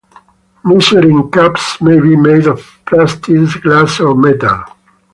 Measuring cups may be made of plastic, glass, or metal.